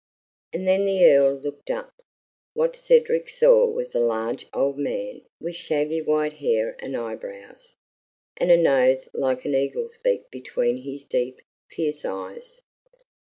And then the Earl looked up. What Cedric saw was a large old man with shaggy white hair and eyebrows, and a nose like an eagle's beak between his deep, fierce eyes.